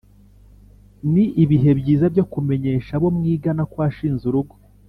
Ni ibihe byiza byo kumenyesha abo mwigana ko washinze urugo